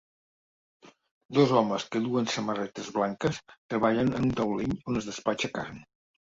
Dos homes que duen samarretes blanques treballen en un taulell on es despatxa carn.